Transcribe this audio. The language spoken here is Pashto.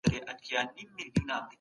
مونږ کولای سو خپل اقتصادي حالت ښه کړو.